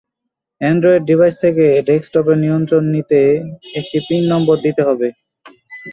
Android device থেকে ডেস্কটপের নিয়ন্ত্রণ নিতে একটি পিন নম্বর দিতে হবে।